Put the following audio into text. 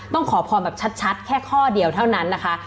ขอพรแบบชัดแค่ข้อเดียวเท่านั้นนะคะ